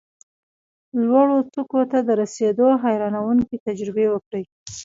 لوړو څوکو ته د رسېدو حیرانوونکې تجربې وکړې،